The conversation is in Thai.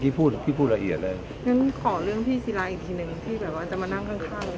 ขอเรื่องพี่สิลาอีกทีหนึ่งที่แบบจะมานั่งข้าง